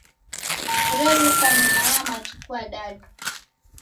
Oreruka nyuma ya matuku adadu.